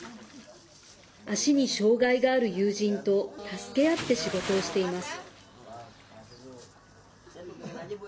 足に障害がある友人と助け合って仕事をしています。